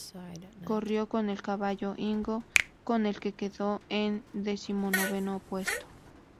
Corrió con el caballo "Ingo", con el que quedó en decimonoveno puesto.